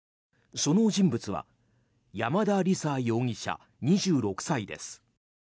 その人物は山田李沙容疑者、２６歳です。